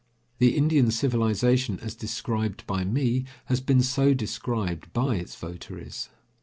The Indian civilization, as described by me, has been so described by its votaries.